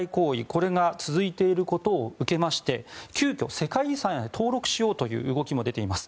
これが続いていることを受けまして急きょ、世界遺産へ登録しようという動きも出ています。